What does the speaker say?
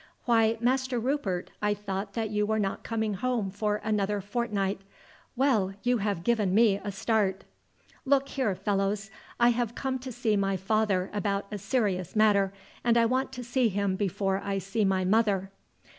"Why, Master Rupert, I thought that you were not coming home for another fortnight. Well, you have given me a start!" "Look here, Fellows, I have come to see my father about a serious matter, and I want to see him before I see my mother."